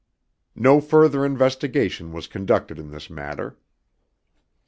No further investigation was conducted in this matter.